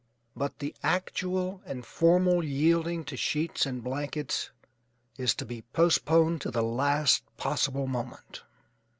But the actual and formal yielding to sheets and blankets is to be postponed to the last possible moment.